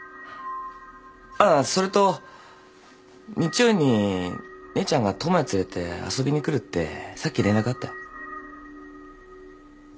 ああそれと日曜に姉ちゃんが智也連れて遊びに来るってさっき連絡あったよ。